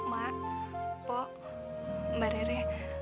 mak pak mbak rere